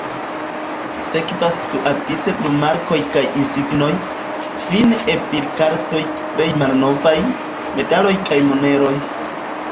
Sekvas duavice glumarkoj kaj insignoj, fine E-bildkartoj plej malnovaj, medaloj kaj moneroj.